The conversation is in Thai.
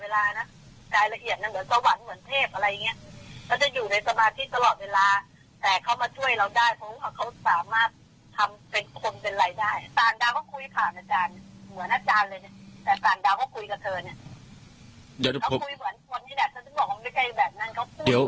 เขาคุยเหมือนคนที่แบบนั้นเขาจะบอกว่าเขาไม่ได้แบบนั้น